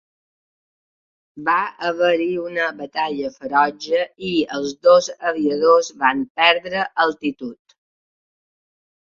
Va haver-hi una batalla ferotge, i els dos aviadors van perdre altitud.